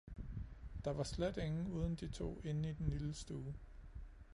Der var slet ingen uden de to inde i den lille stue.